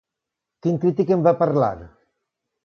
Quin crític en va parlar?